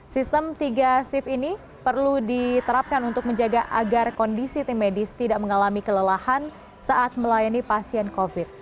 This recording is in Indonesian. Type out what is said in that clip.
sistem tiga shift ini perlu diterapkan untuk menjaga agar kondisi tim medis tidak mengalami kelelahan saat melayani pasien covid